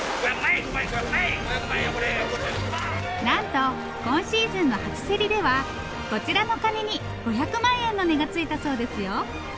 なんと今シーズンの初競りではこちらのカニに５００万円の値がついたそうですよ！